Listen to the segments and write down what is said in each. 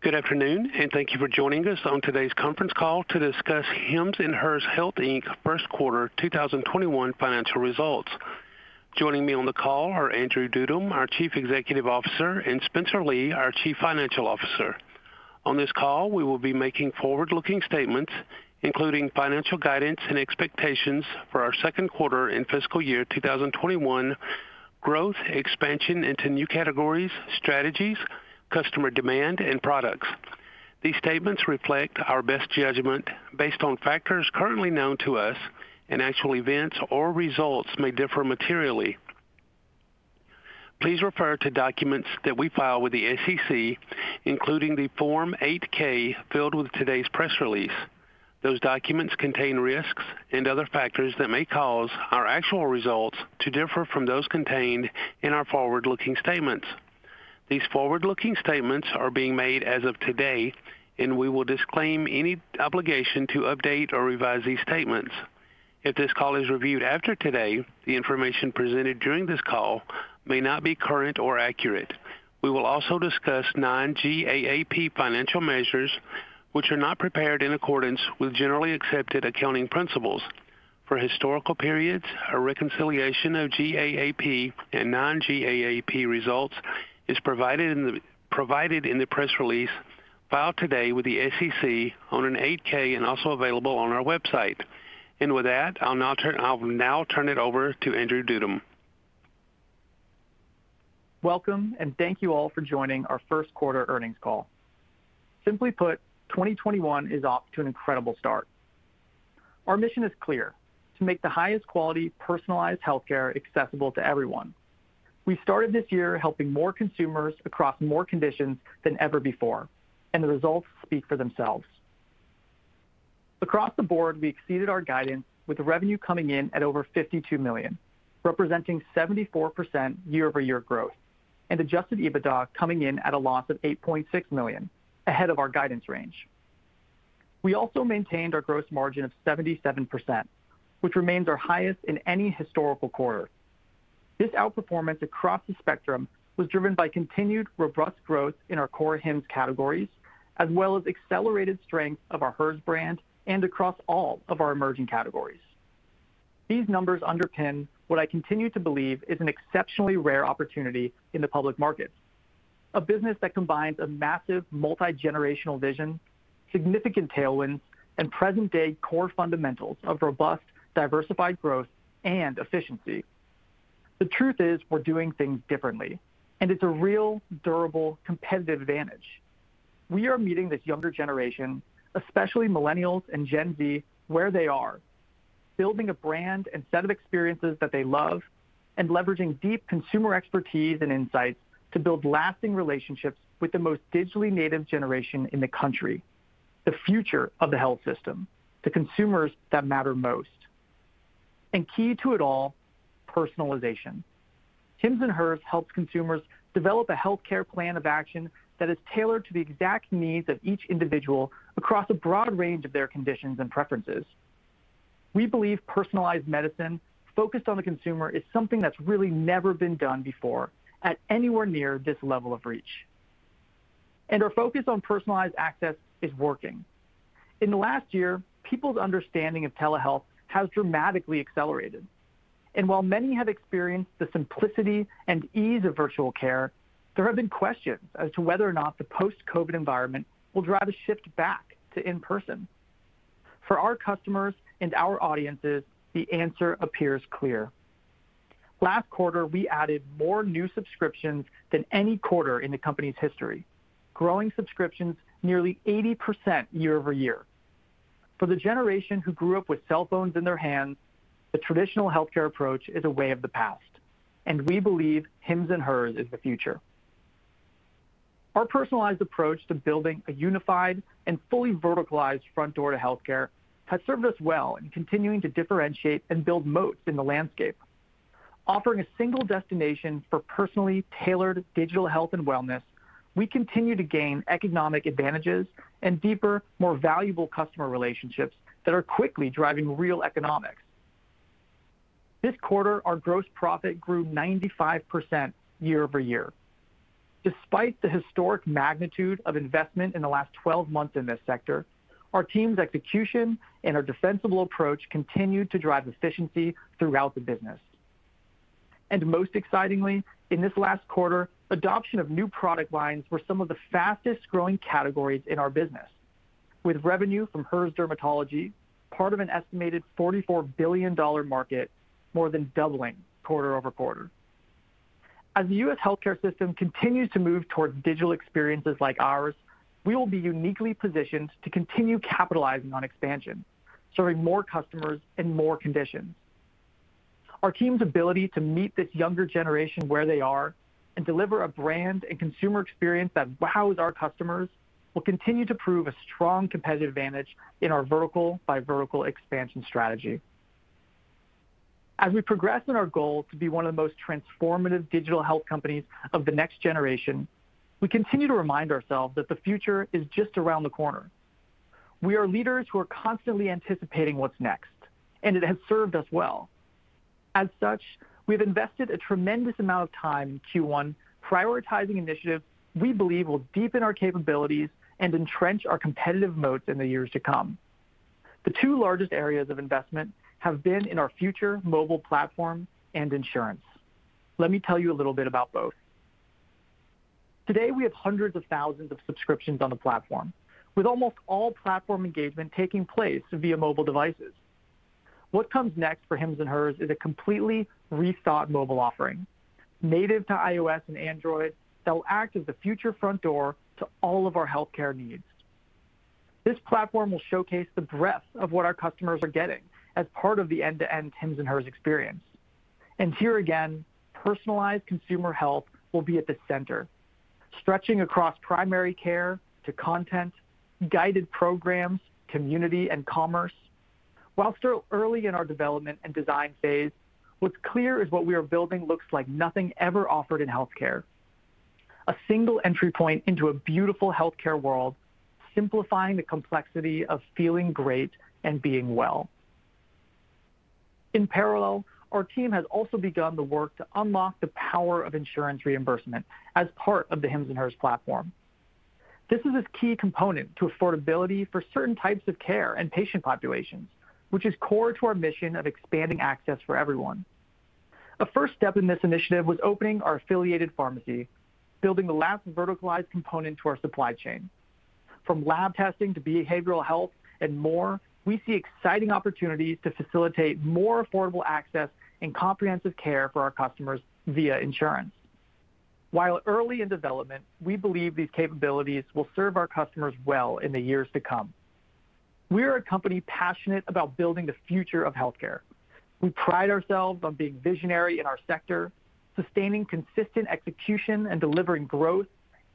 Good afternoon and thank you for joining us on today's conference call to discuss Hims & Hers Health, Inc.'s first quarter 2021 financial results. Joining me on the call are Andrew Dudum, our Chief Executive Officer, and Spencer Lee, our Chief Financial Officer. On this call, we will be making forward-looking statements, including financial guidance and expectations for our second quarter and fiscal year 2021 growth, expansion into new categories, strategies, customer demand, and products. These statements reflect our best judgment based on factors currently known to us, and actual events or results may differ materially. Please refer to documents that we file with the SEC, including the Form 8-K filed with today's press release. Those documents contain risks and other factors that may cause our actual results to differ from those contained in our forward-looking statements. These forward-looking statements are being made as of today, and we will disclaim any obligation to update or revise these statements. If this call is reviewed after today, the information presented during this call may not be current or accurate. We will also discuss non-GAAP financial measures, which are not prepared in accordance with generally accepted accounting principles. For historical periods, a reconciliation of GAAP and non-GAAP results is provided in the press release filed today with the SEC on an 8-K and also available on our website. With that, I'll now turn it over to Andrew Dudum. Welcome and thank you all for joining our first quarter earnings call. Simply put, 2021 is off to an incredible start. Our mission is clear: to make the highest quality, personalized healthcare accessible to everyone. We started this year helping more consumers across more conditions than ever before, the results speak for themselves. Across the board, we exceeded our guidance with revenue coming in at over $52 million, representing 74% year-over-year growth, and adjusted EBITDA coming in at a loss of $8.6 million, ahead of our guidance range. We also maintained our gross margin of 77%, which remains our highest in any historical quarter. This outperformance across the spectrum was driven by continued robust growth in our core Hims categories, as well as accelerated strength of our Hers brand and across all of our emerging categories. These numbers underpin what I continue to believe is an exceptionally rare opportunity in the public market. A business that combines a massive multi-generational vision, significant tailwinds, and present-day core fundamentals of robust, diversified growth and efficiency. The truth is, we're doing things differently, and it's a real, durable, competitive advantage. We are meeting this younger generation, especially Millennials and Gen Z, where they are, building a brand and set of experiences that they love, and leveraging deep consumer expertise and insights to build lasting relationships with the most digitally native generation in the country, the future of the health system, the consumers that matter most. Key to it all, personalization. Hims & Hers helps consumers develop a healthcare plan of action that is tailored to the exact needs of each individual across a broad range of their conditions and preferences. We believe personalized medicine focused on the consumer is something that's really never been done before at anywhere near this level of reach. Our focus on personalized access is working. In the last year, people's understanding of telehealth has dramatically accelerated, and while many have experienced the simplicity and ease of virtual care, there have been questions as to whether or not the post-COVID environment will drive a shift back to in-person. For our customers and our audiences, the answer appears clear. Last quarter, we added more new subscriptions than any quarter in the company's history, growing subscriptions nearly 80% year-over-year. For the generation who grew up with cell phones in their hands, the traditional healthcare approach is a way of the past, and we believe Hims & Hers is the future. Our personalized approach to building a unified and fully verticalized front door to healthcare has served us well in continuing to differentiate and build moats in the landscape. Offering a single destination for personally tailored digital health and wellness, we continue to gain economic advantages and deeper, more valuable customer relationships that are quickly driving real economics. This quarter, our gross profit grew 95% year-over-year. Despite the historic magnitude of investment in the last 12 months in this sector, our team's execution and our defensible approach continued to drive efficiency throughout the business. Most excitingly, in this last quarter, adoption of new product lines were some of the fastest-growing categories in our business, with revenue from Hers Dermatology, part of an estimated $44 billion market, more than doubling quarter-over-quarter. As the U.S. healthcare system continues to move towards digital experiences like ours, we will be uniquely positioned to continue capitalizing on expansion, serving more customers in more conditions. Our team's ability to meet this younger generation where they are and deliver a brand and consumer experience that wows our customers will continue to prove a strong competitive advantage in our vertical by vertical expansion strategy. As we progress in our goal to be one of the most transformative digital health companies of the next generation, we continue to remind ourselves that the future is just around the corner. We are leaders who are constantly anticipating what's next, and it has served us well. As such, we've invested a tremendous amount of time in Q1 prioritizing initiatives we believe will deepen our capabilities and entrench our competitive moat in the years to come. The two largest areas of investment have been in our future mobile platform and insurance. Let me tell you a little bit about both. Today, we have hundreds of thousands of subscriptions on the platform, with almost all platform engagement taking place via mobile devices. What comes next for Hims & Hers is a completely rethought mobile offering, native to iOS and Android, that will act as a future front door to all of our healthcare needs. This platform will showcase the breadth of what our customers are getting as part of the end-to-end Hims & Hers experience. Here again, personalized consumer health will be at the center, stretching across primary care to content, guided programs, community, and commerce. While we're still early in our development and design phase, what's clear is what we are building looks like nothing ever offered in healthcare. A single entry point into a beautiful healthcare world, simplifying the complexity of feeling great and being well. In parallel, our team has also begun the work to unlock the power of insurance reimbursement as part of the Hims & Hers platform. This is a key component to affordability for certain types of care and patient populations, which is core to our mission of expanding access for everyone. The first step in this initiative was opening our affiliated pharmacy, building the last verticalized component to our supply chain. From lab testing to behavioral health and more, we see exciting opportunities to facilitate more affordable access and comprehensive care for our customers via insurance. While early in development, we believe these capabilities will serve our customers well in the years to come. We are a company passionate about building the future of healthcare. We pride ourselves on being visionary in our sector, sustaining consistent execution, and delivering growth,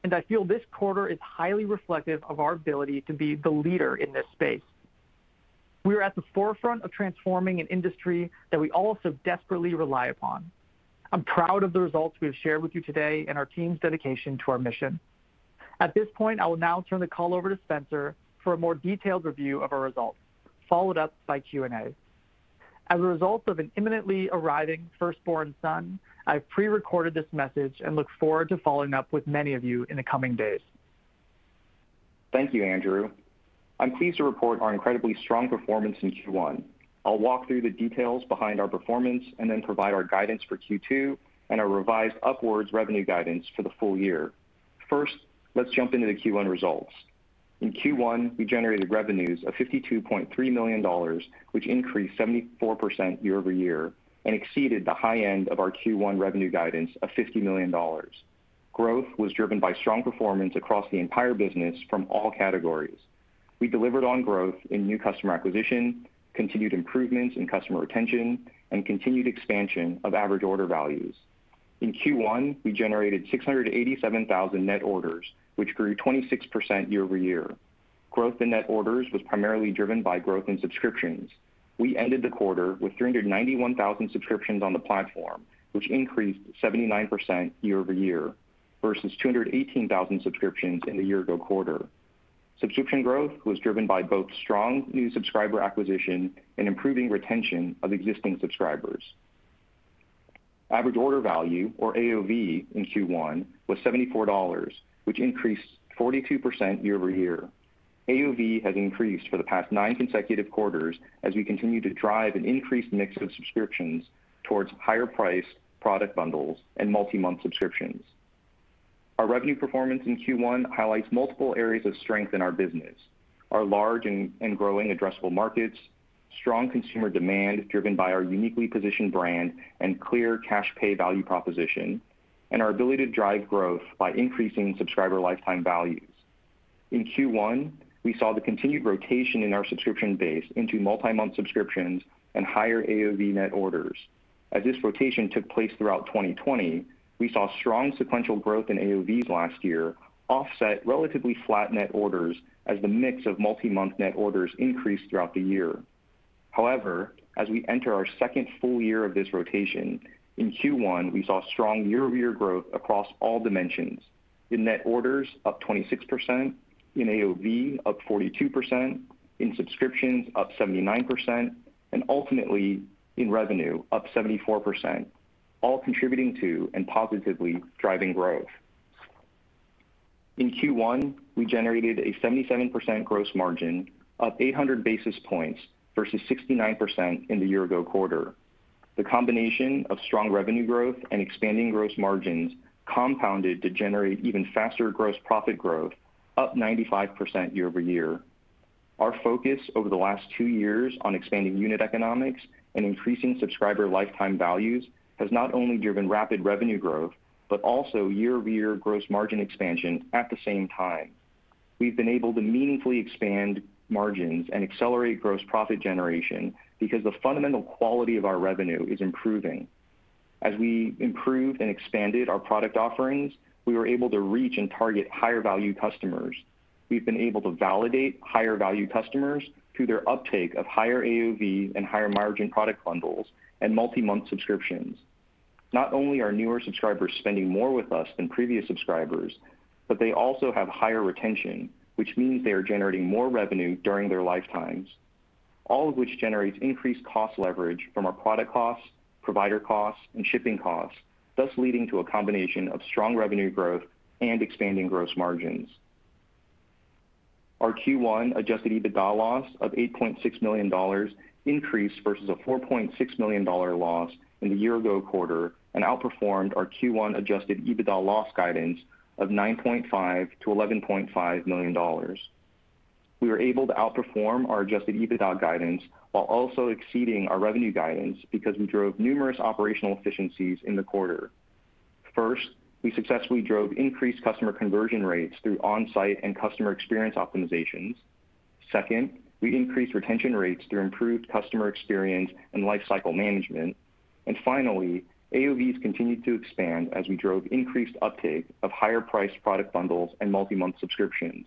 and I feel this quarter is highly reflective of our ability to be the leader in this space. We are at the forefront of transforming an industry that we all so desperately rely upon. I'm proud of the results we have shared with you today and our team's dedication to our mission. At this point, I will now turn the call over to Spencer for a more detailed review of our results followed up by Q&A. As a result of an imminently arriving firstborn son, I've pre-recorded this message and look forward to following up with many of you in the coming days. Thank you Andrew. I'm pleased to report on incredibly strong performance in Q1. I'll walk through the details behind our performance and then provide our guidance for Q2 and our revised upwards revenue guidance for the full year. Let's jump into the Q1 results. In Q1, we generated revenues of $52.3 million, which increased 74% year-over-year and exceeded the high end of our Q1 revenue guidance of $50 million. Growth was driven by strong performance across the entire business from all categories. We delivered on growth in new customer acquisition, continued improvements in customer retention, and continued expansion of average order values. In Q1, we generated 687,000 net orders, which grew 26% year-over-year. Growth in net orders was primarily driven by growth in subscriptions. We ended the quarter with 391,000 subscriptions on the platform, which increased 79% year-over-year versus 218,000 subscriptions in the year-ago quarter. Subscription growth was driven by both strong new subscriber acquisition and improving retention of existing subscribers. Average order value, or AOV, in Q1 was $74, which increased 42% year-over-year. AOV has increased for the past nine consecutive quarters as we continue to drive an increased mix of subscriptions towards higher priced product bundles and multi-month subscriptions. Our revenue performance in Q1 highlights multiple areas of strength in our business, our large and growing addressable markets, strong consumer demand driven by our uniquely positioned brand and clear cash pay value proposition, and our ability to drive growth by increasing subscriber lifetime values. In Q1, we saw the continued rotation in our subscription base into multi-month subscriptions and higher AOV net orders. As this rotation took place throughout 2020, we saw strong sequential growth in AOVs last year offset relatively flat net orders as the mix of multi-month net orders increased throughout the year. However, as we enter our second full year of this rotation, in Q1, we saw strong year-over-year growth across all dimensions. In net orders, up 26%, in AOV, up 42%, in subscriptions, up 79%, and ultimately, in revenue, up 74%, all contributing to and positively driving growth. In Q1, we generated a 77% gross margin, up 800 basis points versus 69% in the year ago quarter. The combination of strong revenue growth and expanding gross margins compounded to generate even faster gross profit growth, up 95% year-over-year. Our focus over the last two years on expanding unit economics and increasing subscriber lifetime values has not only driven rapid revenue growth, but also year-over-year gross margin expansion at the same time. We've been able to meaningfully expand margins and accelerate gross profit generation because the fundamental quality of our revenue is improving. As we improved and expanded our product offerings, we were able to reach and target higher value customers. We've been able to validate higher value customers through their uptake of higher AOV and higher margin product bundles and multi-month subscriptions. Not only are newer subscribers spending more with us than previous subscribers, but they also have higher retention, which means they are generating more revenue during their lifetimes. All of which generates increased cost leverage from our product costs, provider costs, and shipping costs, thus leading to a combination of strong revenue growth and expanding gross margins. Our Q1 adjusted EBITDA loss of $8.6 million increased versus a $4.6 million loss in the year-ago quarter and outperformed our Q1 adjusted EBITDA loss guidance of $9.5 million-$11.5 million. We were able to outperform our adjusted EBITDA guidance while also exceeding our revenue guidance because we drove numerous operational efficiencies in the quarter. First, we successfully drove increased customer conversion rates through on-site and customer experience optimizations. Second, we increased retention rates through improved customer experience and lifecycle management. Finally, AOVs continued to expand as we drove increased uptake of higher priced product bundles and multi-month subscriptions.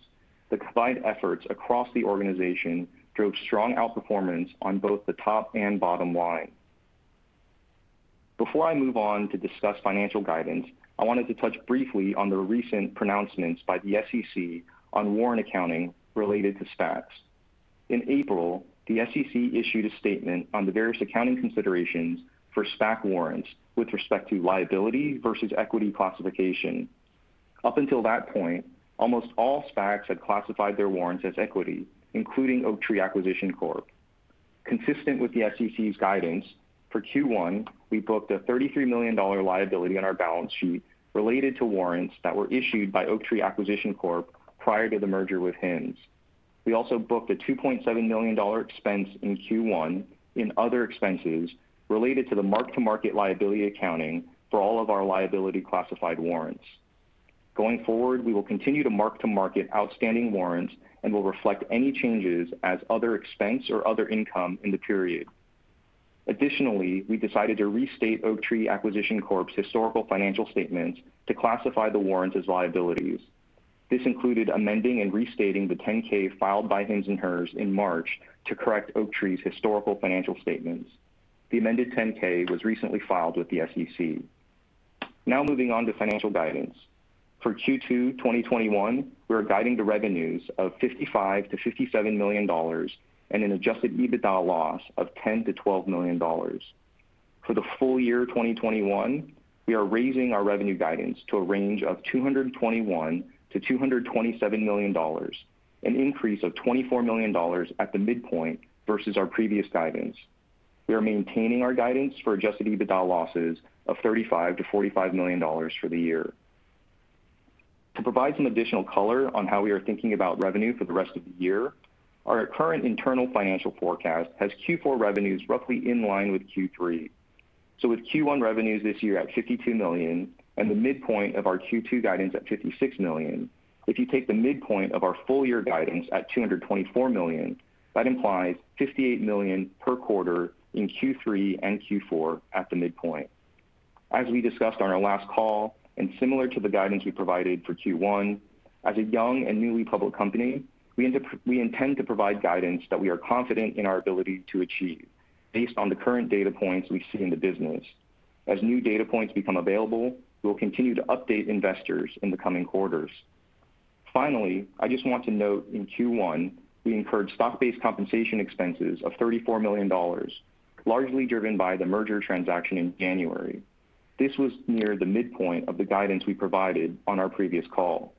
The combined efforts across the organization drove strong outperformance on both the top and bottom line. Before I move on to discuss financial guidance, I wanted to touch briefly on the recent pronouncements by the SEC on warrant accounting related to SPACs. In April, the SEC issued a statement on the various accounting considerations for SPAC warrants with respect to liability versus equity classification. Up until that point, almost all SPACs had classified their warrants as equity, including Oaktree Acquisition Corp. Consistent with the SEC's guidance, for Q1, we booked a $33 million liability on our balance sheet related to warrants that were issued by Oaktree Acquisition Corp. prior to the merger with Hims. We also booked a $2.7 million expense in Q1 in other expenses related to the mark-to-market liability accounting for all of our liability classified warrants. Going forward, we will continue to mark to market outstanding warrants and will reflect any changes as other expense or other income in the period. Additionally, we decided to restate Oaktree Acquisition Corp.'s historical financial statements to classify the warrants as liabilities. This included amending and restating the 10-K filed by Hims & Hers in March to correct Oaktree's historical financial statements. The amended 10-K was recently filed with the SEC. Now moving on to financial guidance. For Q2 2021, we are guiding to revenues of $55 million-$57 million and an adjusted EBITDA loss of $10 million-$12 million. For the full year 2021, we are raising our revenue guidance to a range of $221 million-$227 million, an increase of $24 million at the midpoint versus our previous guidance. We are maintaining our guidance for adjusted EBITDA losses of $35 million-$45 million for the year. To provide some additional color on how we are thinking about revenue for the rest of the year, our current internal financial forecast has Q4 revenues roughly in line with Q3. With Q1 revenues this year at $52 million and the midpoint of our Q2 guidance at $56 million, if you take the midpoint of our full year guidance at $224 million, that implies $58 million per quarter in Q3 and Q4 at the midpoint. As we discussed on our last call, and similar to the guidance we provided for Q1, as a young and newly public company, we intend to provide guidance that we are confident in our ability to achieve based on the current data points we see in the business. As new data points become available, we will continue to update investors in the coming quarters. Finally, I just want to note in Q1, we incurred stock-based compensation expenses of $34 million, largely driven by the merger transaction in January. This was near the midpoint of the guidance we provided on our previous call.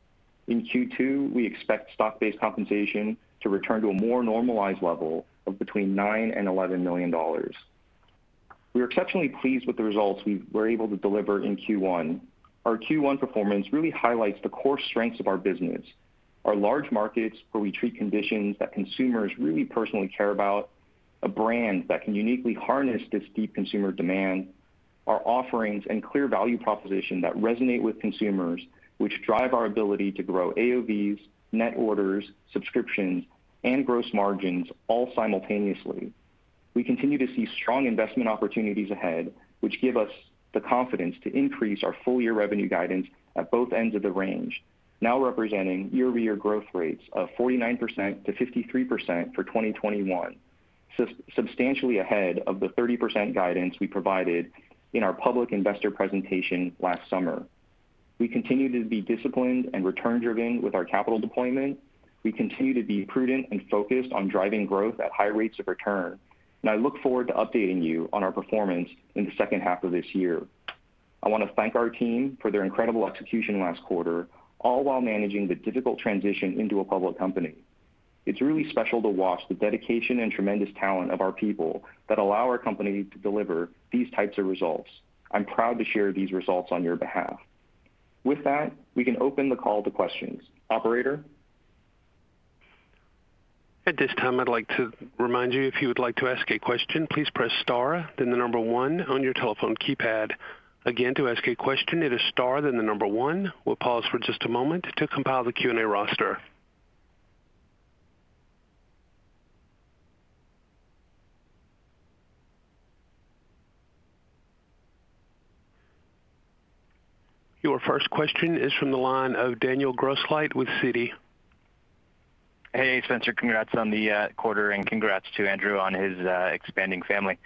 In Q2, we expect stock-based compensation to return to a more normalized level of between $9 million and $11 million. We are exceptionally pleased with the results we were able to deliver in Q1. Our Q1 performance really highlights the core strengths of our business. Our large markets, where we treat conditions that consumers really personally care about, a brand that can uniquely harness this deep consumer demand, our offerings and clear value proposition that resonate with consumers, which drive our ability to grow AOVs, net orders, subscriptions, and gross margins all simultaneously. We continue to see strong investment opportunities ahead, which give us the confidence to increase our full year revenue guidance at both ends of the range. Now representing year-over-year growth rates of 49%-53% for 2021, substantially ahead of the 30% guidance we provided in our public investor presentation last summer. We continue to be disciplined and return-driven with our capital deployment. We continue to be prudent and focused on driving growth at high rates of return, and I look forward to updating you on our performance in the second half of this year. I want to thank our team for their incredible execution last quarter, all while managing the difficult transition into a public company. It's really special to watch the dedication and tremendous talent of our people that allow our company to deliver these types of results. I'm proud to share these results on your behalf. With that, we can open the call to questions. Operator? At this time I'd like to remind you if you would like to ask a question, please press star, then the number one on your telephone keypad. Again, to ask a question it is star then the number one. We'll pause for just a moment to compile the Q&A roster. Your first question is from the line of Daniel Grosslight with Citi. Hey Spencer. Congrats on the quarter, and congrats to Andrew on his expanding family.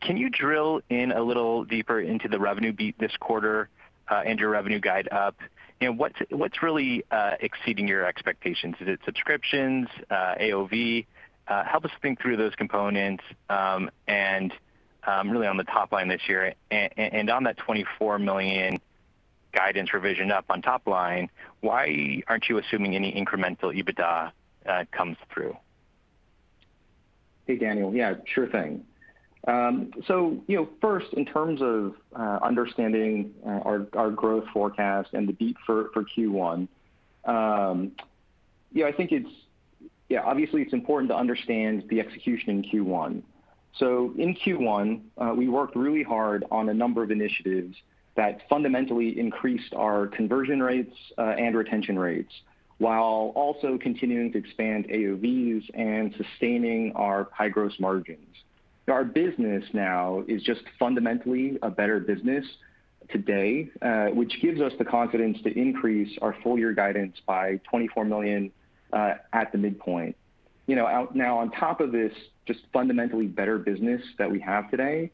Can you drill in a little deeper into the revenue beat this quarter and your revenue guide up? What's really exceeding your expectations? Is it subscriptions, AOV? Help us think through those components and really on the top line this year. On that $24 million guidance revision up on top line, why aren't you assuming any incremental EBITDA comes through? Hey Daniel. Yeah, sure thing. First, in terms of understanding our growth forecast and the beat for Q1. Yeah, obviously it's important to understand the execution in Q1. In Q1, we worked really hard on a number of initiatives that fundamentally increased our conversion rates and retention rates while also continuing to expand AOVs and sustaining our high gross margins. Our business now is just fundamentally a better business today, which gives us the confidence to increase our full-year guidance by $24 million at the midpoint. On top of this just fundamentally better business that we have today,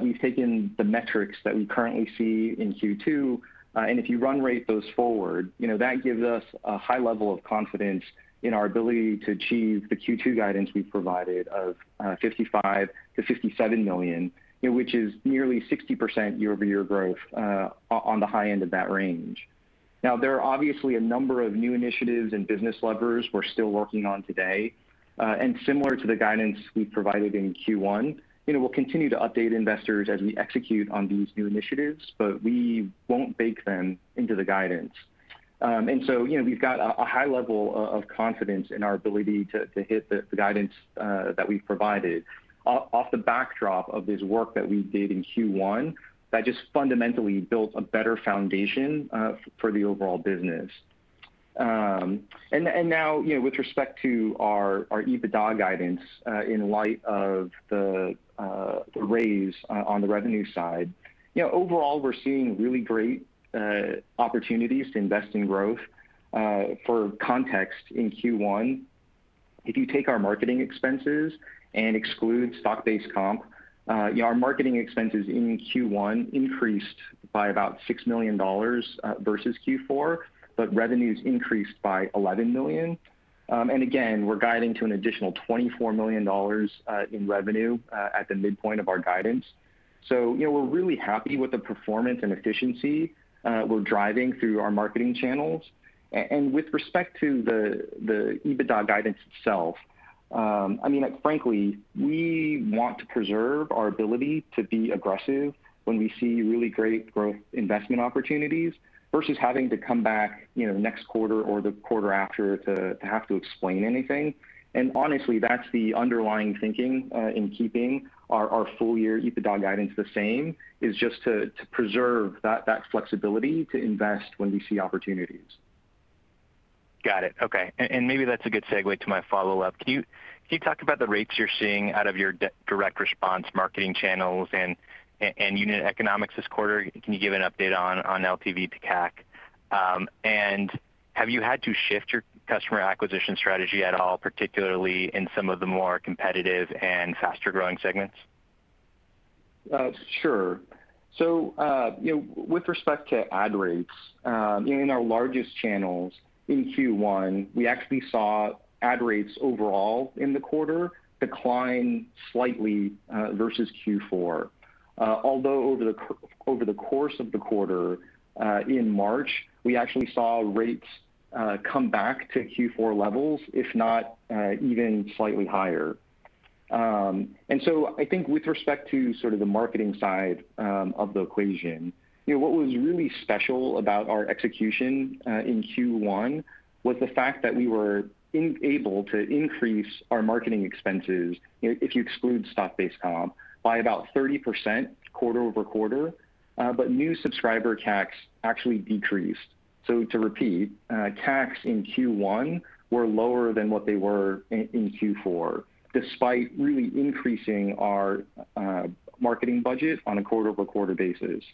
we've taken the metrics that we currently see in Q2, and if you run rate those forward, that gives us a high level of confidence in our ability to achieve the Q2 guidance we provided of $55 million-$57 million, which is nearly 60% year-over-year growth on the high end of that range. There are obviously a number of new initiatives and business levers we're still working on today. Similar to the guidance we provided in Q1, we'll continue to update investors as we execute on these new initiatives, but we won't bake them into the guidance. We've got a high level of confidence in our ability to hit the guidance that we've provided off the backdrop of this work that we did in Q1 that just fundamentally built a better foundation for the overall business. With respect to our EBITDA guidance in light of the raise on the revenue side. Overall, we're seeing really great opportunities to invest in growth. For context, in Q1, if you take our marketing expenses and exclude stock-based comp, our marketing expenses in Q1 increased by about $6 million versus Q4, but revenues increased by $11 million. We're guiding to an additional $24 million in revenue at the midpoint of our guidance. We're really happy with the performance and efficiency we're driving through our marketing channels. With respect to the EBITDA guidance itself, frankly, we want to preserve our ability to be aggressive when we see really great growth investment opportunities versus having to come back next quarter or the quarter after to have to explain anything. Honestly, that's the underlying thinking in keeping our full year EBITDA guidance the same is just to preserve that flexibility to invest when we see opportunities. Got it. Okay. Maybe that's a good segue to my follow-up. Can you talk about the rates you're seeing out of your direct response marketing channels and unit economics this quarter? Can you give an update on LTV to CAC? Have you had to shift your customer acquisition strategy at all, particularly in some of the more competitive and faster-growing segments? Sure. With respect to ad rates, in our largest channels in Q1, we actually saw ad rates overall in the quarter decline slightly versus Q4. Although over the course of the quarter, in March, we actually saw rates come back to Q4 levels, if not even slightly higher. I think with respect to the marketing side of the equation, what was really special about our execution in Q1 was the fact that we were able to increase our marketing expenses, if you exclude stock-based compensation, by about 30% quarter-over-quarter, but new subscriber CACs actually decreased. To repeat, CACs in Q1 were lower than what they were in Q4, despite really increasing our marketing budget on a quarter-over-quarter basis.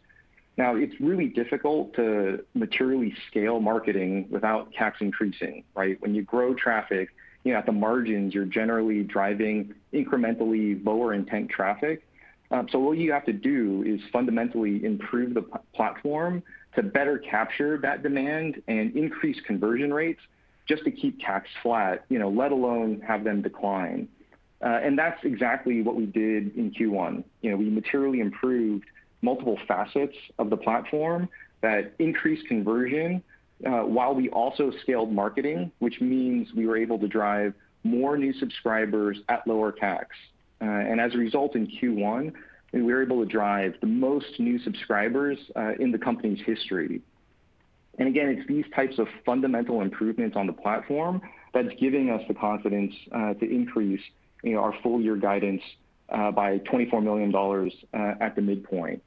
Now, it's really difficult to materially scale marketing without CACs increasing, right? When you grow traffic at the margins, you're generally driving incrementally lower intent traffic. What you have to do is fundamentally improve the platform to better capture that demand and increase conversion rates just to keep CACs flat, let alone have them decline. That's exactly what we did in Q1. We materially improved multiple facets of the platform that increased conversion while we also scaled marketing, which means we were able to drive more new subscribers at lower CACs. As a result, in Q1, we were able to drive the most new subscribers in the company's history. Again, it's these types of fundamental improvements on the platform that's giving us the confidence to increase our full-year guidance by $24 million at the midpoint.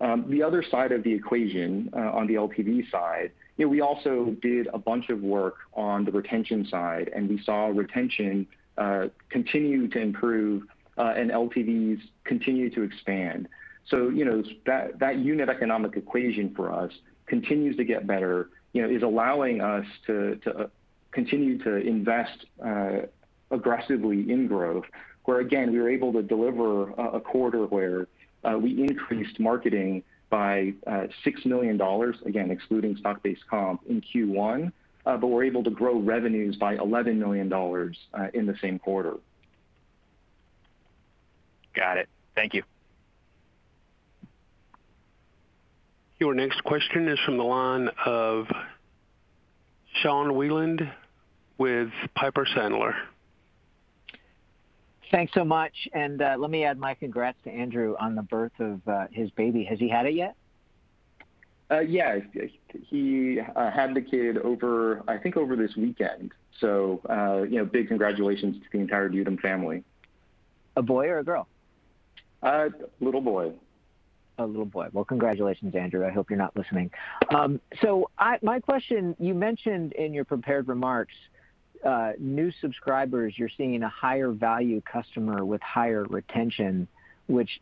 The other side of the equation, on the LTV side, we also did a bunch of work on the retention side, and we saw retention continue to improve and LTVs continue to expand. That unit economic equation for us continues to get better. It's allowing us to continue to invest aggressively in growth, where again, we were able to deliver a quarter where we increased marketing by $6 million, again, excluding stock-based comp in Q1, but were able to grow revenues by $11 million in the same quarter. Got it. Thank you. Your next question is from the line of Sean Wieland with Piper Sandler. Thanks so much and let me add my congrats to Andrew on the birth of his baby. Has he had it yet? Yes. He had the kid, I think, over this weekend. big congratulations to the entire Dudum family. A boy or a girl? A little boy. A little boy. Well, congratulations Andrew. I hope you're not listening. My question, you mentioned in your prepared remarks, new subscribers you're seeing a higher value customer with higher retention, which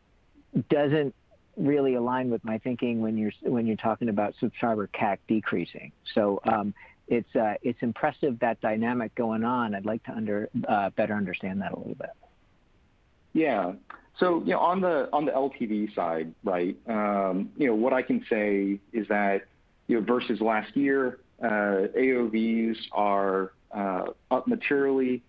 doesn't really align with my thinking when you're talking about subscriber CAC decreasing. It's impressive that dynamic going on. I'd like to better understand that a little bit. Yeah. On the LTV side, what I can say is that versus last year, AOV are up materially.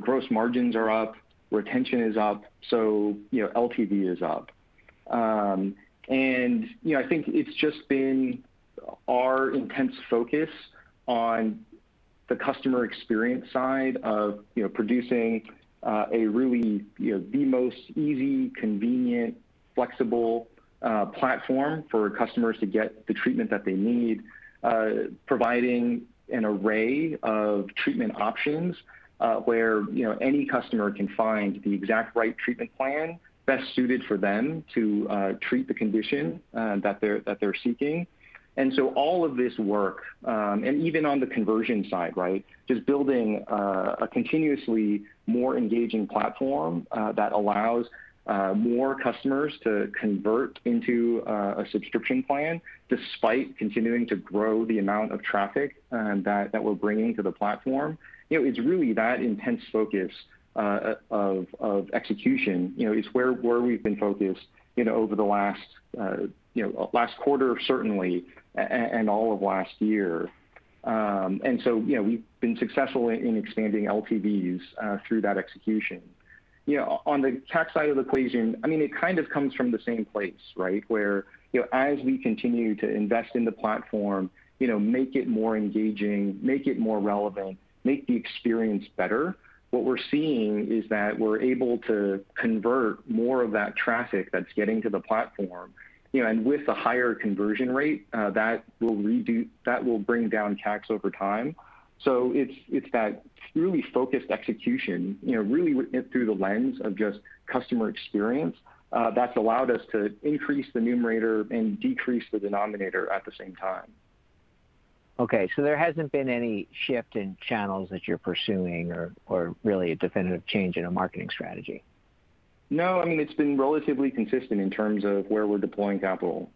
Gross margins are up, retention is up, LTV is up. I think it's just been our intense focus on the customer experience side of producing a really, the most easy, convenient, flexible platform for customers to get the treatment that they need. Providing an array of treatment options, where any customer can find the exact right treatment plan best suited for them to treat the condition that they're seeking. All of this work, and even on the conversion side. Just building a continuously more engaging platform, that allows more customers to convert into a subscription plan despite continuing to grow the amount of traffic that we're bringing to the platform. It's really that intense focus of execution, it's where we've been focused over the last quarter, certainly, and all of last year. We've been successful in expanding LTVs through that execution. On the CAC side of the equation, it kind of comes from the same place. As we continue to invest in the platform, make it more engaging, make it more relevant, make the experience better, what we're seeing is that we're able to convert more of that traffic that's getting to the platform. With a higher conversion rate, that will bring down CACs over time. It's that really focused execution, really through the lens of just customer experience, that's allowed us to increase the numerator and decrease the denominator at the same time. Okay, there hasn't been any shift in channels that you're pursuing or really a definitive change in a marketing strategy? No, it's been relatively consistent in terms of where we're deploying capital.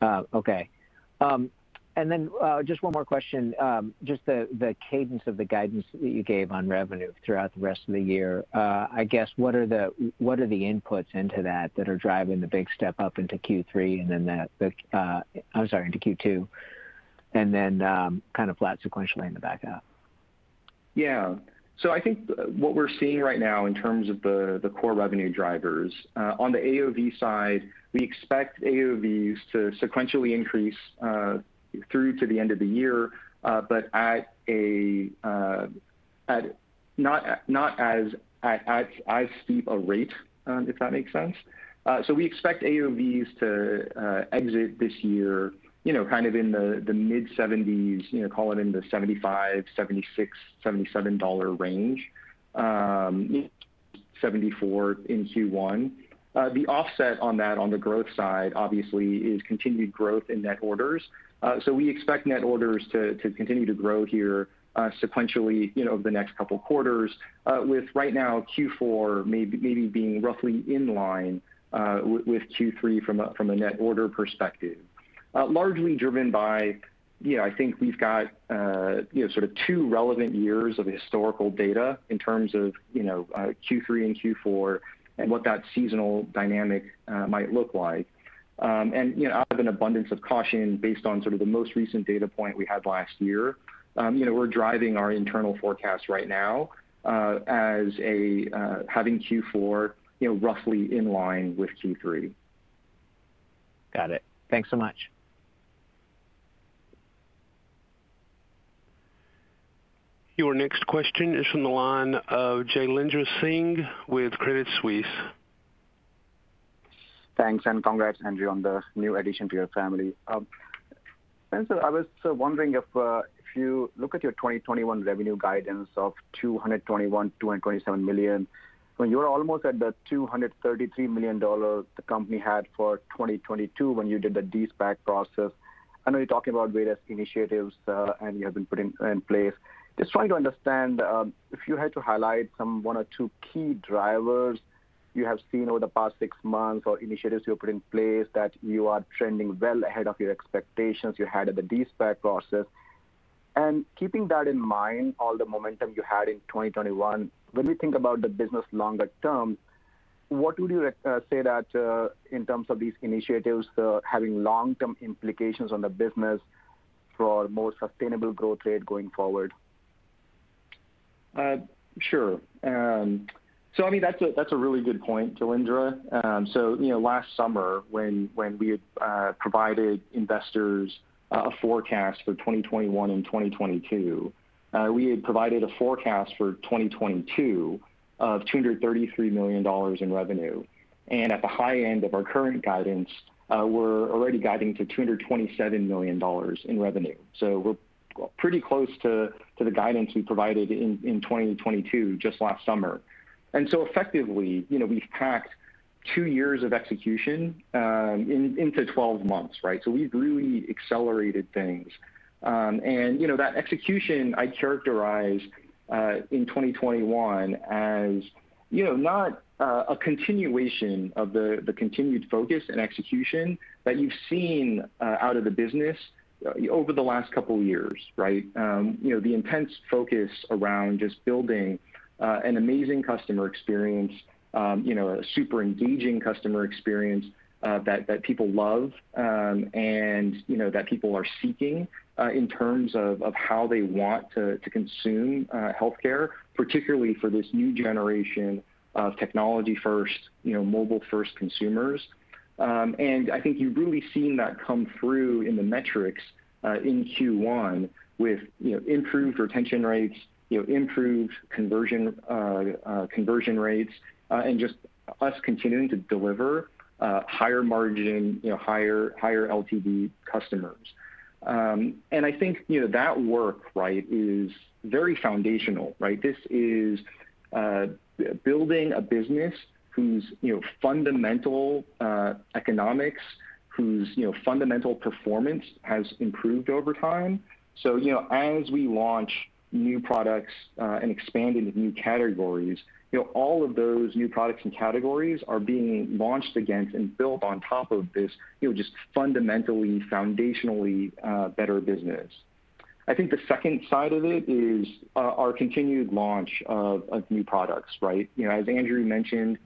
Oh, okay. Just one more question. Just the cadence of the guidance that you gave on revenue throughout the rest of the year. I guess, what are the inputs into that that are driving the big step up into Q3, I'm sorry, into Q2, and then kind of flat sequentially in the back half? Yeah. I think what we're seeing right now in terms of the core revenue drivers. On the AOV side, we expect AOVs to sequentially increase through to the end of the year, but at not as steep a rate, if that makes sense. We expect AOVs to exit this year in the mid seventies, call it in the $75, $76, $77 range, $74 in Q1. The offset on that on the growth side obviously is continued growth in net orders. We expect net orders to continue to grow here sequentially over the next couple of quarters with right now Q4 maybe being roughly in line with Q3 from a net order perspective. Largely driven by, I think we've got sort of two relevant years of historical data in terms of Q3 and Q4 and what that seasonal dynamic might look like. Out of an abundance of caution based on sort of the most recent data point we had last year, we're driving our internal forecast right now as having Q4 roughly in line with Q3. Got it. Thanks so much. Your next question is from the line of Jailendra Singh with Credit Suisse. Thanks and congrats Andrew, on the new addition to your family. Spencer, I was wondering if you look at your 2021 revenue guidance of $221 million-$227 million, when you're almost at the $233 million the company had for 2022 when you did the de-SPAC process. I know you're talking about various initiatives you have been putting in place. Just trying to understand, if you had to highlight one or two key drivers you have seen over the past six months or initiatives you have put in place that you are trending well ahead of your expectations you had at the de-SPAC process, and keeping that in mind, all the momentum you had in 2021, when we think about the business longer term, what would you say that in terms of these initiatives having long-term implications on the business for a more sustainable growth rate going forward? Sure. I mean, that's a really good point Jailendra. Last summer when we had provided investors a forecast for 2021 and 2022, we had provided a forecast for 2022 of $233 million in revenue. At the high end of our current guidance, we're already guiding to $227 million in revenue. We're pretty close to the guidance we provided in 2022, just last summer. Effectively, we've packed two years of execution into 12 months, right? We've really accelerated things. That execution I characterize in 2021 as not a continuation of the continued focus and execution that you've seen out of the business over the last couple of years, right? The intense focus around just building an amazing customer experience, a super engaging customer experience that people love, and that people are seeking in terms of how they want to consume healthcare, particularly for this new generation of technology first, mobile first consumers. I think you've really seen that come through in the metrics in Q1 with improved retention rates, improved conversion rates, and just us continuing to deliver higher margin, higher LTV customers. I think that work, right, is very foundational, right? This is building a business whose fundamental economics, whose fundamental performance has improved over time. As we launch new products and expand into new categories, all of those new products and categories are being launched against and built on top of this just fundamentally, foundationally better business. I think the second side of it is our continued launch of new products, right? As Andrew mentioned,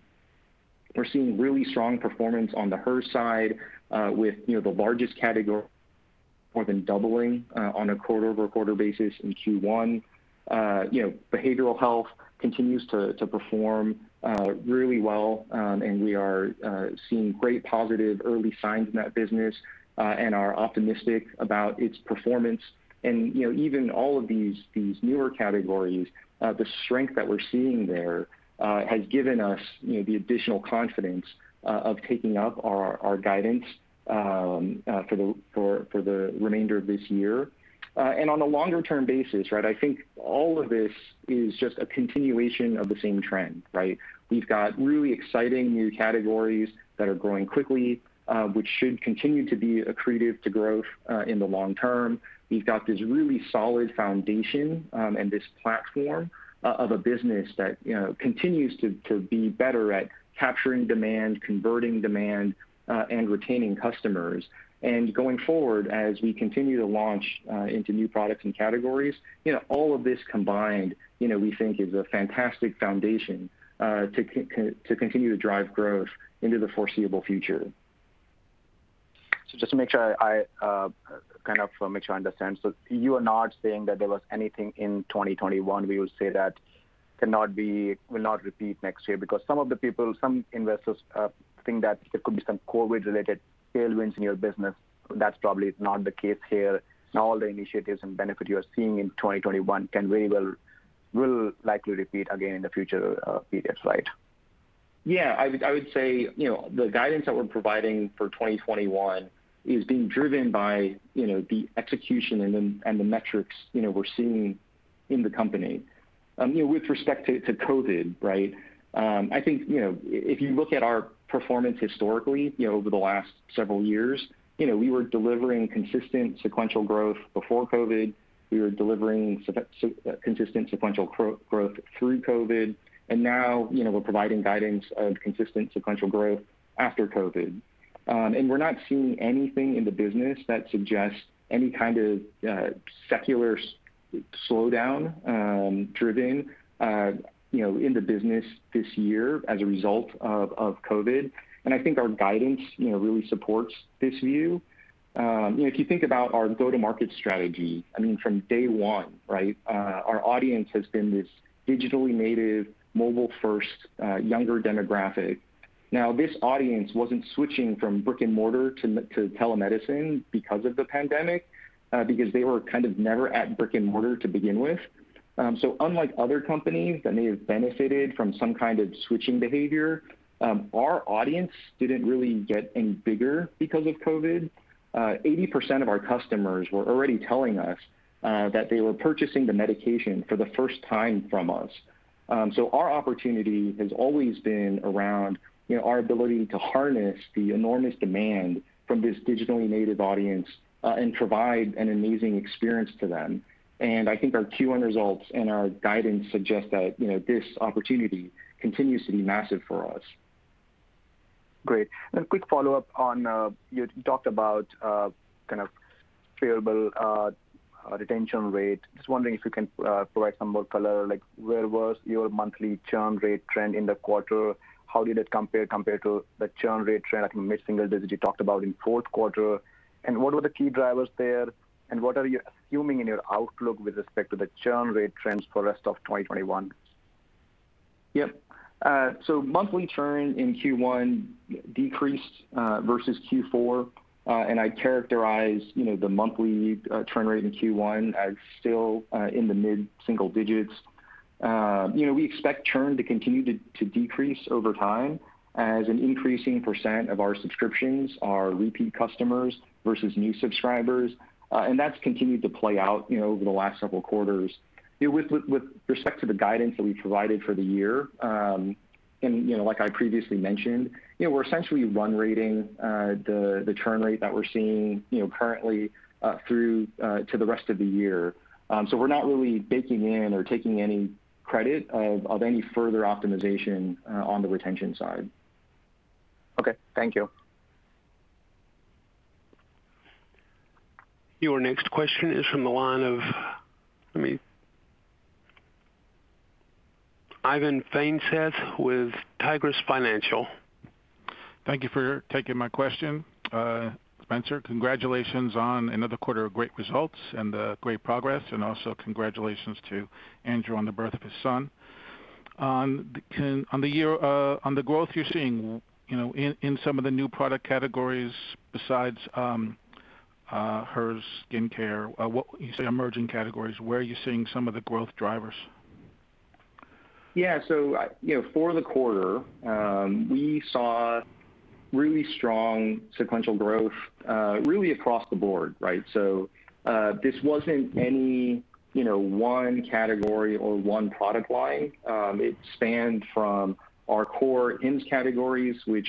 we're seeing really strong performance on the Hers side with the largest category more than doubling on a quarter-over-quarter basis in Q1. Behavioral health continues to perform really well. We are seeing great positive early signs in that business and are optimistic about its performance. Even all of these newer categories, the strength that we're seeing there has given us the additional confidence of taking up our guidance for the remainder of this year. On a longer term basis, I think all of this is just a continuation of the same trend. We've got really exciting new categories that are growing quickly, which should continue to be accretive to growth in the long term. We've got this really solid foundation and this platform of a business that continues to be better at capturing demand, converting demand, and retaining customers. Going forward, as we continue to launch into new products and categories, all of this combined we think is a fantastic foundation to continue to drive growth into the foreseeable future. Just to make sure I understand. You are not saying that there was anything in 2021 we will say that will not repeat next year, because some of the people, some investors think that there could be some COVID related tailwinds in your business. That's probably not the case here. All the initiatives and benefit you are seeing in 2021 can very well, will likely repeat again in the future periods, right? I would say the guidance that we're providing for 2021 is being driven by the execution and the metrics we're seeing in the company. With respect to COVID, right? I think, if you look at our performance historically over the last several years, we were delivering consistent sequential growth before COVID. We were delivering consistent sequential growth through COVID, and now we're providing guidance of consistent sequential growth after COVID. We're not seeing anything in the business that suggests any kind of secular slowdown driven in the business this year as a result of COVID. I think our guidance really supports this view. If you think about our go-to-market strategy, I mean, from day one, right? Our audience has been this digitally native, mobile first, younger demographic. This audience wasn't switching from brick and mortar to telemedicine because of the pandemic, because they were kind of never at brick and mortar to begin with. Unlike other companies that may have benefited from some kind of switching behavior, our audience didn't really get any bigger because of COVID. 80% of our customers were already telling us that they were purchasing the medication for the first time from us. Our opportunity has always been around our ability to harness the enormous demand from this digitally native audience and provide an amazing experience to them. I think our Q1 results and our guidance suggest that this opportunity continues to be massive for us. Great. A quick follow-up on, you talked about kind of payable retention rate. Just wondering if you can provide some more color, like where was your monthly churn rate trend in the quarter? How did it compare to the churn rate trend at mid-single digits you talked about in fourth quarter, and what were the key drivers there? What are you assuming in your outlook with respect to the churn rate trends for rest of 2021? Yep. Monthly churn in Q1 decreased, versus Q4. I'd characterize the monthly churn rate in Q1 as still in the mid-single digits. We expect churn to continue to decrease over time, as an increasing percent of our subscriptions are repeat customers versus new subscribers. That's continued to play out over the last several quarters. With respect to the guidance that we provided for the year, and like I previously mentioned, we're essentially run rating the churn rate that we're seeing currently through to the rest of the year. We're not really baking in or taking any credit of any further optimization on the retention side. Okay. Thank you. Your next question is from the line of Ivan Feinseth with Tigress Financial. Thank you for taking my question. Spencer, congratulations on another quarter of great results and great progress, and also congratulations to Andrew on the birth of his son. On the growth you're seeing in some of the new product categories besides, Hers Dermatology, what would you say emerging categories, where are you seeing some of the growth drivers? Yeah. For the quarter, we saw really strong sequential growth, really across the board, right? This wasn't any one category or one product line. It spanned from our core Hims categories, which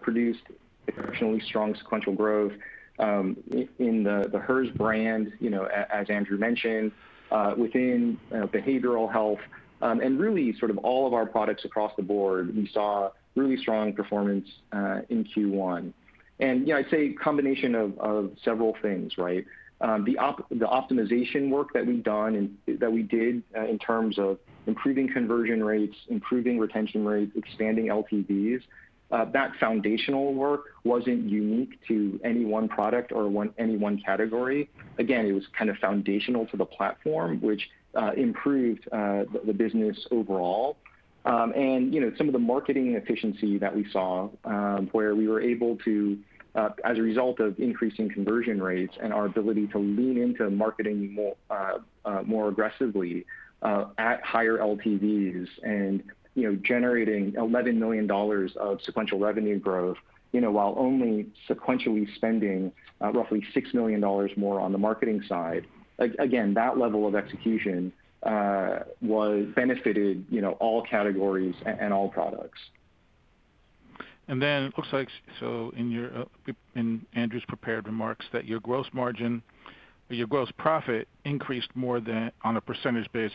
produced exceptionally strong sequential growth, in the Hers brand as Andrew mentioned, within behavioral health, and really sort of all of our products across the board, we saw really strong performance in Q1. I'd say combination of several things, right? The optimization work that we did in terms of improving conversion rates, improving retention rates, expanding LTVs, that foundational work wasn't unique to any one product or any one category. Again, it was kind of foundational to the platform, which improved the business overall. Some of the marketing efficiency that we saw, where we were able to, as a result of increasing conversion rates and our ability to lean into marketing more aggressively, at higher LTVs and generating $11 million of sequential revenue growth, while only sequentially spending roughly $6 million more on the marketing side. Again, that level of execution benefited all categories and all products. It looks like, in Andrew’s prepared remarks that your gross margin or your gross profit increased more than on a percentage basis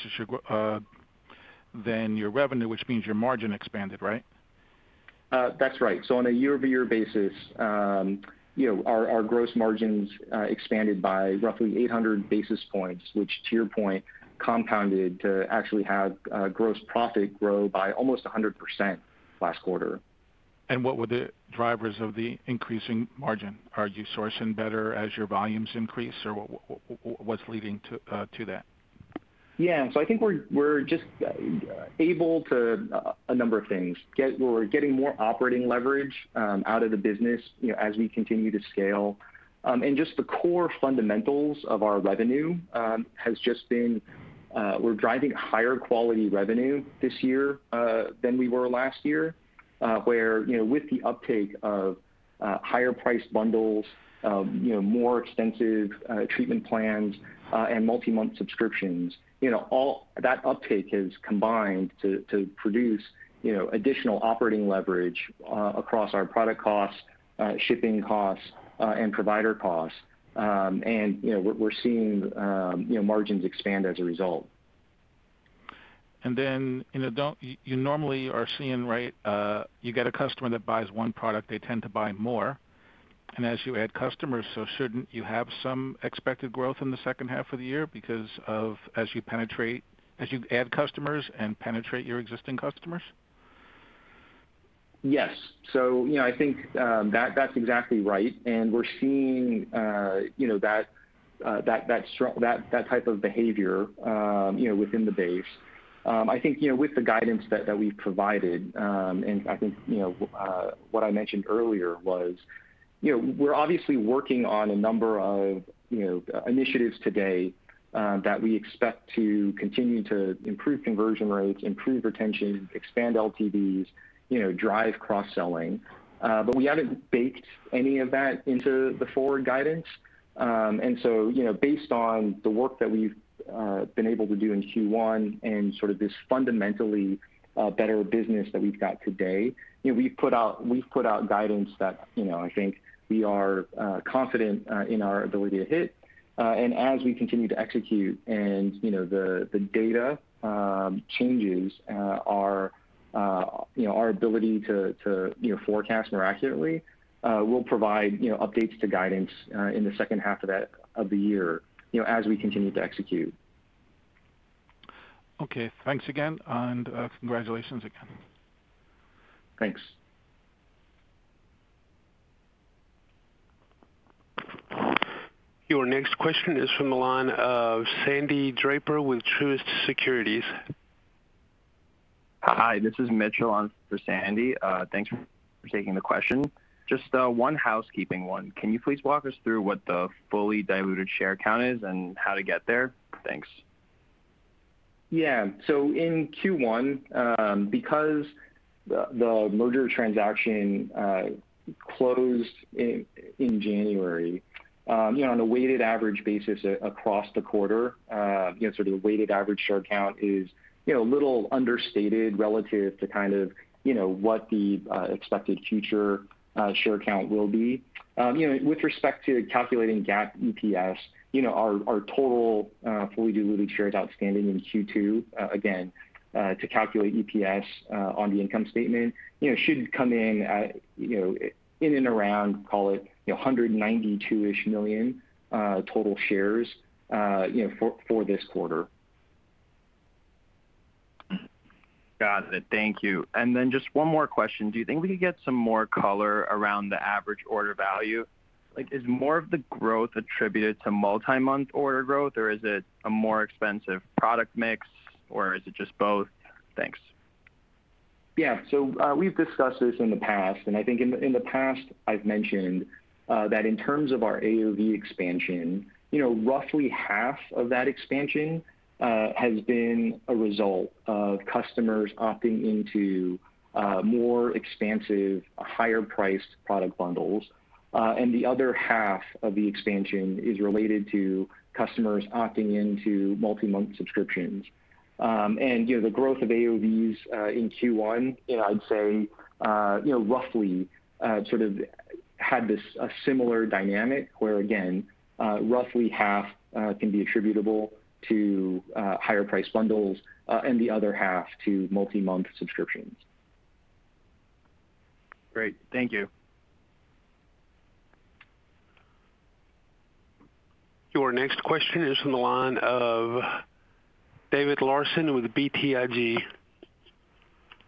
than your revenue, which means your margin expanded, right? That's right. On a year-over-year basis, our gross margins expanded by roughly 800 basis points, which to your point, compounded to actually have gross profit grow by almost 100% last quarter. What were the drivers of the increasing margin? Are you sourcing better as your volumes increase, or what's leading to that? Yeah. I think we're just able to a number of things. We're getting more operating leverage out of the business as we continue to scale. Just the core fundamentals of our revenue has just been. We're driving higher quality revenue this year than we were last year. With the uptake of higher priced bundles, more extensive treatment plans, and multi-month subscriptions, all that uptake has combined to produce additional operating leverage across our product costs, shipping costs, and provider costs. We're seeing margins expand as a result. Then in adult, you normally are seeing, right, you get a customer that buys one product, they tend to buy more. As you add customers, shouldn't you have some expected growth in the second half of the year because of as you add customers and penetrate your existing customers? Yes. I think that's exactly right. We're seeing that type of behavior within the base. I think with the guidance that we've provided, and I think what I mentioned earlier was we're obviously working on a number of initiatives today, that we expect to continue to improve conversion rates, improve retention, expand LTVs, drive cross-selling. We haven't baked any of that into the forward guidance. Based on the work that we've been able to do in Q1 and sort of this fundamentally better business that we've got today, we've put out guidance that I think we are confident in our ability to hit. As we continue to execute and the data changes our ability to forecast more accurately, we'll provide updates to guidance in the second half of the year as we continue to execute. Okay. Thanks again, and congratulations again. Thanks. Your next question is from the line of Sandy Draper with Truist Securities. Hi, this is Mitchell on for Sandy. Thank you for taking the question. Just one housekeeping one. Can you please walk us through what the fully diluted share count is and how to get there? Thanks. Yeah. In Q1, because the merger transaction closed in January, on a weighted average basis across the quarter, the weighted average share count is a little understated relative to what the expected future share count will be. With respect to calculating GAAP EPS, our total fully diluted shares outstanding in Q2, again, to calculate EPS on the income statement, should come in at in and around, call it, 192-ish million total shares for this quarter. Got it. Thank you. Just one more question. Do you think we can get some more color around the average order value? Is more of the growth attributed to multi-month order growth, or is it a more expensive product mix, or is it just both? Thanks. Yeah. We've discussed this in the past, and I think in the past I've mentioned that in terms of our AOV expansion, roughly half of that expansion has been a result of customers opting into more expansive, higher priced product bundles. The other half of the expansion is related to customers opting into multi-month subscriptions. The growth of AOVs in Q1, I'd say, roughly had this similar dynamic where, again, roughly half can be attributable to higher priced bundles and the other half to multi-month subscriptions. Great. Thank you. Your next question is from the line of David Larsen with BTIG.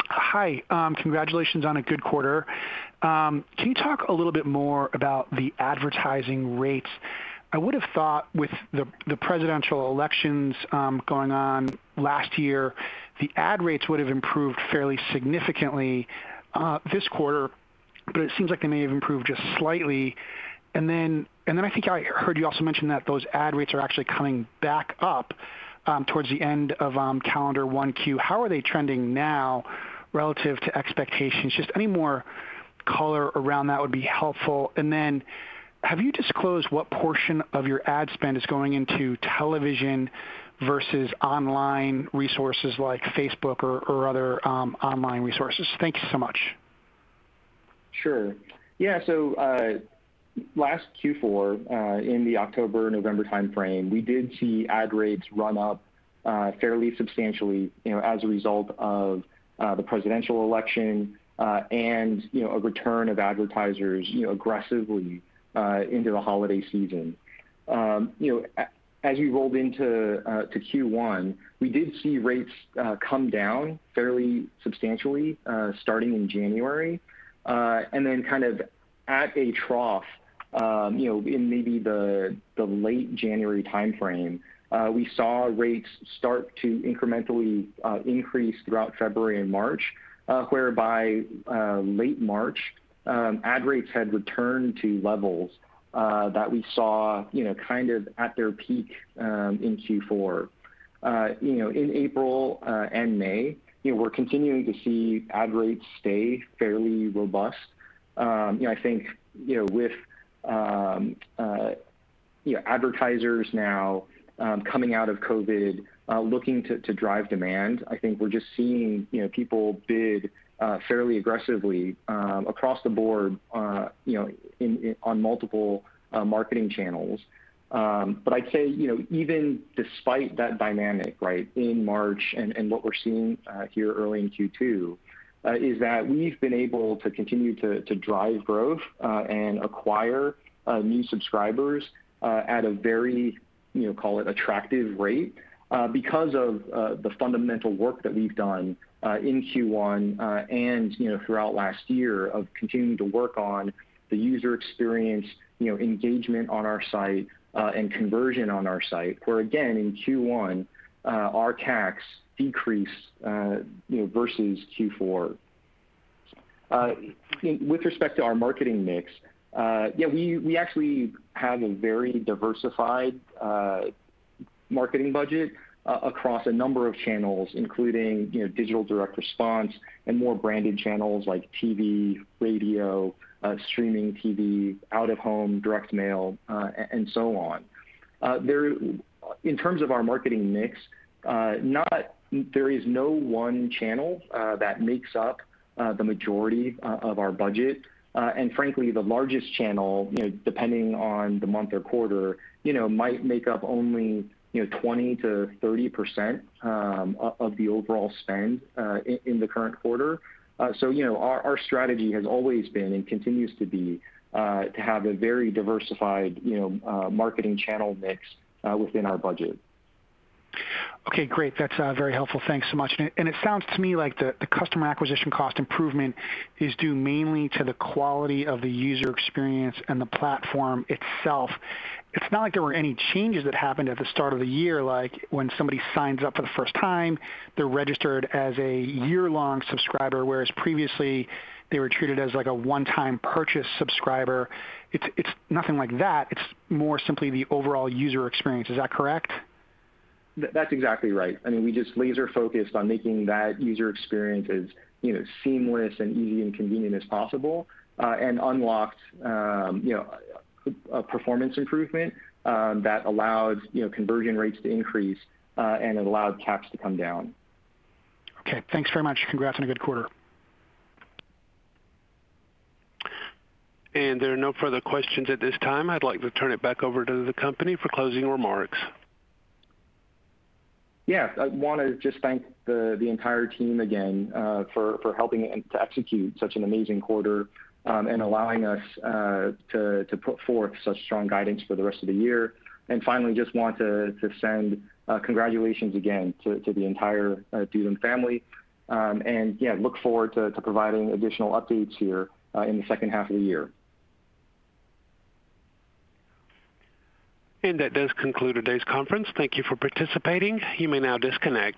Hi. Congratulations on a good quarter. Can you talk a little bit more about the advertising rates? I would've thought with the presidential elections going on last year, the ad rates would've improved fairly significantly this quarter, but it seems like they may have improved just slightly. I think I heard you also mention that those ad rates are actually coming back up towards the end of calendar 1Q. How are they trending now relative to expectations? Any more color around that would be helpful. Have you disclosed what portion of your ad spend is going into television versus online resources like Facebook or other online resources? Thank you so much. Sure. Yeah. Last Q4, in the October-November timeframe, we did see ad rates run up fairly substantially as a result of the presidential election and a return of advertisers aggressively into the holiday season. As we rolled into Q1, we did see rates come down fairly substantially starting in January. At a trough, in maybe the late January timeframe, we saw rates start to incrementally increase throughout February and March, where by late March, ad rates had returned to levels that we saw at their peak in Q4. In April and May, we're continuing to see ad rates stay fairly robust. I think with advertisers now coming out of COVID looking to drive demand, I think we're just seeing people bid fairly aggressively across the board on multiple marketing channels. I'd say, even despite that dynamic in March and what we're seeing here early in Q2, is that we've been able to continue to drive growth and acquire new subscribers at a very call it attractive rate because of the fundamental work that we've done in Q1 and throughout last year of continuing to work on the user experience, engagement on our site, and conversion on our site, where again, in Q1, our CACs decreased versus Q4. With respect to our marketing mix, we actually have a very diversified marketing budget across a number of channels, including digital direct response and more branded channels like TV, radio, streaming TV, out of home, direct mail, and so on. In terms of our marketing mix, there is no one channel that makes up the majority of our budget. Frankly, the largest channel, depending on the month or quarter, might make up only 20%-30% of the overall spend in the current quarter. Our strategy has always been and continues to be to have a very diversified marketing channel mix within our budget. Okay, great. That's very helpful. Thanks so much. It sounds to me like the customer acquisition cost improvement is due mainly to the quality of the user experience and the platform itself. It's not like there were any changes that happened at the start of the year, like when somebody signs up for the first time, they're registered as a year-long subscriber, whereas previously they were treated as a one-time purchase subscriber. It's nothing like that. It's more simply the overall user experience. Is that correct? That's exactly right. We just laser focused on making that user experience as seamless and easy and convenient as possible, and unlocked a performance improvement that allowed conversion rates to increase and allowed CACs to come down. Okay thanks very much. Congrats on a good quarter. There are no further questions at this time. I'd like to turn it back over to the company for closing remarks. Yeah. I want to just thank the entire team again for helping to execute such an amazing quarter and allowing us to put forth such strong guidance for the rest of the year. Finally, just want to send congratulations again to the entire Dudum family. Look forward to providing additional updates here in the second half of the year. That does conclude today's conference. Thank you for participating. You may now disconnect.